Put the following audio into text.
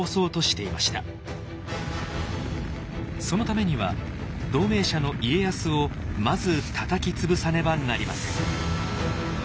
そのためには同盟者の家康をまずたたき潰さねばなりません。